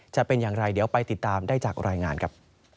จะเป็นอย่างไรเดี๋ยวไปติดตามได้จากรายงานครับ